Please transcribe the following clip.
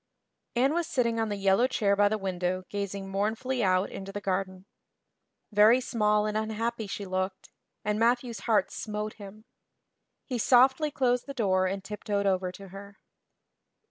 Anne was sitting on the yellow chair by the window gazing mournfully out into the garden. Very small and unhappy she looked, and Matthew's heart smote him. He softly closed the door and tiptoed over to her.